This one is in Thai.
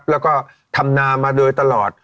แล้วก็ทำนามาโดยตลอด